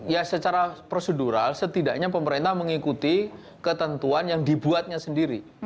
ya secara prosedural setidaknya pemerintah mengikuti ketentuan yang dibuatnya sendiri